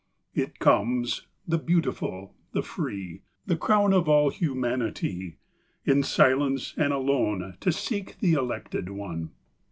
It comes, — the beautiful, the free, Tl: >wn of all humanity, — In silence and alone 2Q To seek the elected one.